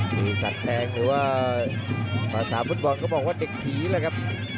มีสัตว์แทงหรือว่าภาษาภูมิฟังก็บอกว่าเด็กผีล่ะครับ